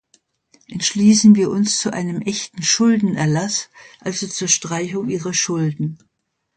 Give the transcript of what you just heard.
Entschließen wir uns zu einem echten Schuldenerlass, also zur Streichung ihrer Schulden.